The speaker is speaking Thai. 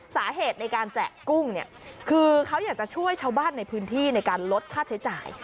สาเหตุในการแจกกุ้งเนี่ยคือเขาอยากจะช่วยชาวบ้านในพื้นที่ในการลดค่าใช้จ่าย